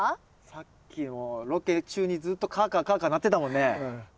さっきもロケ中にずっとカァカァカァカァ鳴いてたもんね。